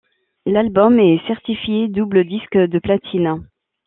L'album est certifié double disque de platine.